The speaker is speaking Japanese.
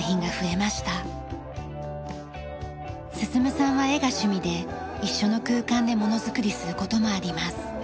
進さんは絵が趣味で一緒の空間で物作りする事もあります。